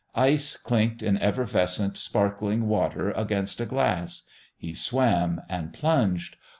Ice clinked in effervescent, sparkling water against a glass. He swam and plunged.